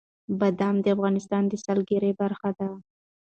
بادام د افغانستان د سیلګرۍ برخه ده.